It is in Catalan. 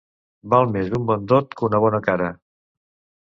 Val més un bon dot que una bona cara.